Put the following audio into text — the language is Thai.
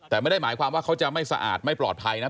แต่ไม่ได้หมายความว่าเขาจะไม่สะอาดไม่ปลอดภัยนะ